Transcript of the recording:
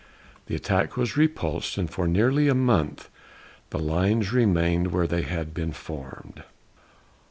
The attack was repulsed, and for nearly a month the lines remained where they had been formed.